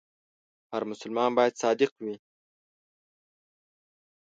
هر مسلمان باید صادق وي.